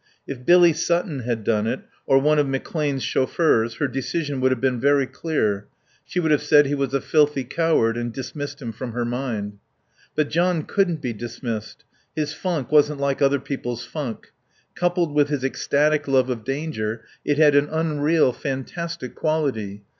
If Billy Sutton had done it, or one of McClane's chauffeurs, her decision would have been very clear. She would have said he was a filthy coward and dismissed him from her mind. But John couldn't be dismissed. His funk wasn't like other people's funk. Coupled with his ecstatic love of danger it had an unreal, fantastic quality.